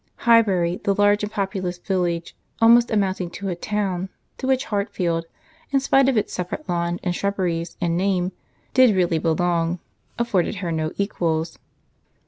Highbury, the large and populous village, almost amounting to a town, to which Hartfield, in spite of its separate lawn, and shrubberies, and name, did really belong, afforded her no equals.